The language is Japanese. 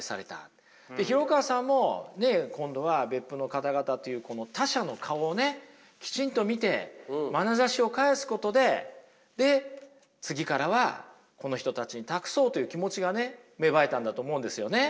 廣川さんも今度は別府の方々という他者の顔をねきちんと見てまなざしを返すことで次からはこの人たちに託そうという気持ちがね芽生えたんだと思うんですよね。